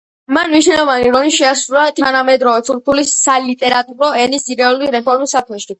მან მნიშვნელოვანი როლი შეასრულა თანამედროვე თურქული სალიტერატურო ენის ძირეული რეფორმის საქმეში.